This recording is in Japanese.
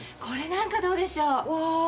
これなんかどうでしょう？